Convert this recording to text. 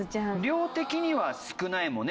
量的には少ないもんね。